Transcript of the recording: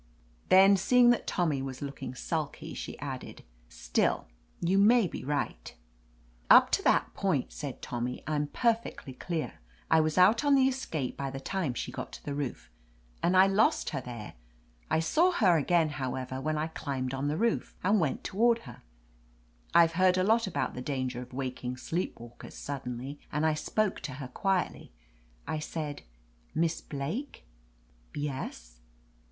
Then, seeing that Tommy was look 85 % THE AMAZING ADVENTURES ing sulky, she added: "Still, you may be right/' "Up to that point," said Tommy, "I'm per fectly dear. I was out on the escape by the time she got to the roof, and I lost her there. I saw her again, however, when I climbed on the roof, and went toward her. I've heard a lot about the danger of waking sleep walkers suddenly, and I spoke to her quietly. I said 'Miss Blake.' " "Yes?"